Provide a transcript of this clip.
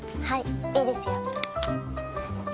はいいいですよ。